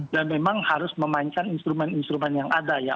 dan memang harus memainkan instrumen instrumen yang ada ya